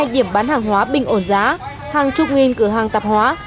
hai ba trăm tám mươi hai điểm bán hàng hóa bình ổn giá hàng chục nghìn cửa hàng tạp hóa